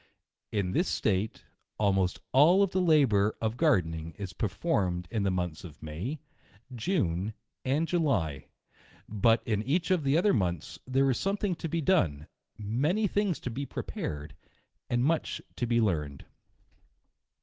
In this state, almost all the labour of Gardening is per formed in the months of May, June, and July ; but in each of the other months, there is something to be done, fnany things to be prepared, and much to be learned.